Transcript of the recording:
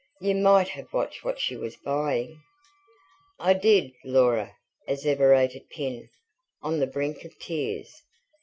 You MIGHT have watched what she was buying." "I did, Laura!" asseverated Pin, on the brink of tears.